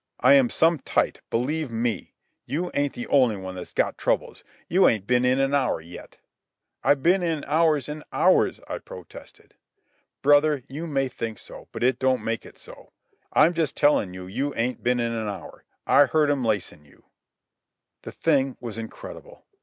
I am some tight, believe me. You ain't the only one that's got troubles. You ain't ben in an hour yet." "I've been in hours and hours," I protested. "Brother, you may think so, but it don't make it so. I'm just tellin' you you ain't ben in an hour. I heard 'm lacin' you." The thing was incredible.